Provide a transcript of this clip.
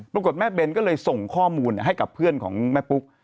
ปรากฏแม่เบนก็เลยส่งข้อมูลให้กับเพื่อนของแม่ปุ๊ก